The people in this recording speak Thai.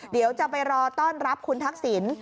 เดี๋ยวจะไปรอต้อนรับคุณทักษิณ